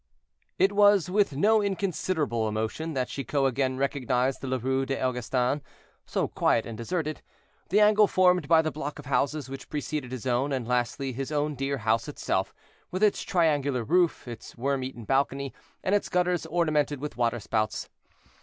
It was with no inconsiderable emotion that Chicot again recognized La Rue des Augustins, so quiet and deserted, the angle formed by the block of houses which preceded his own, and lastly, his own dear house itself, with its triangular roof, its worm eaten balcony, and its gutters ornamented with waterspouts.